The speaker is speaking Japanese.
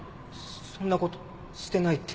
そんな事してないって。